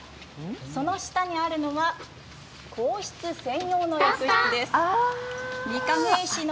その下にあるのは皇室専用の浴室です。